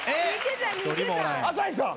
朝日さん！